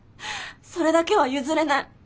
それだけは譲れない。